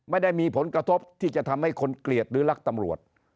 ไม่ได้มีผลกระทบที่จะทำให้คนเกลียดหรือรักตำรวจ